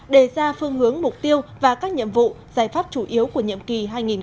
đề ra phương hướng mục tiêu và các nhiệm vụ giải pháp chủ yếu của nhiệm kỳ hai nghìn hai mươi hai nghìn hai mươi năm